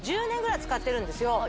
１０年ぐらい使ってるんですよ